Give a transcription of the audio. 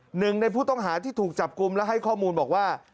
หนึ่งในผู้ต้องหาที่ถูกจับกลุ่มและให้ข้อมูลบอกว่า